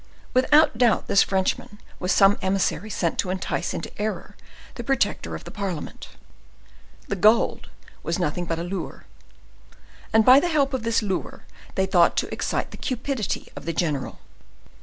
Without doubt this Frenchman was some emissary sent to entice into error the protector of the parliament; the gold was nothing but a lure; and by the help of this lure they thought to excite the cupidity of the general.